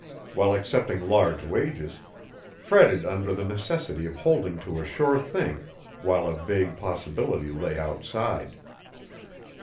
while accepting large wages, fretted under the necessity of holding to a sure thing, while a vague possibility lay outside.